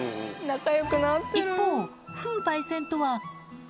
一方、風パイセンとは。